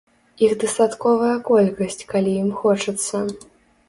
Іх дастатковая колькасць, калі ім хочацца.